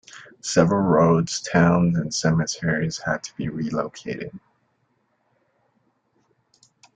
Several roads, towns, and cemeteries had to be relocated.